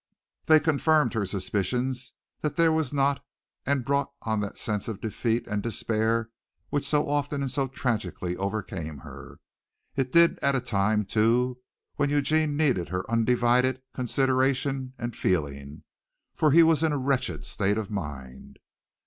They confirmed her suspicions that there was not and brought on that sense of defeat and despair which so often and so tragically overcame her. It did it at a time, too, when Eugene needed her undivided consideration and feeling, for he was in a wretched state of mind.